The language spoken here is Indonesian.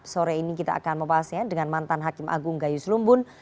sore ini kita akan membahasnya dengan mantan hakim agung gayus lumbun